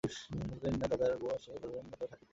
যতদিন না দাদার বউ আসে অন্তত ততদিন তো থাকিতে পারি।